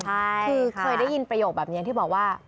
คือเคยได้ยินประโยคแบบนี้ที่บอกว่า